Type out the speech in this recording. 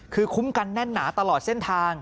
คือคุ้มกันแน่นหนาตลอดเส้นทาง